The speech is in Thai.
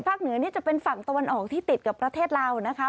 เหนือนี่จะเป็นฝั่งตะวันออกที่ติดกับประเทศลาวนะคะ